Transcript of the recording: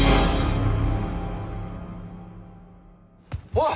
おい！